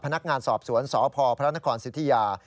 พนักงานสอบสวนสพพระนครสิทธิยา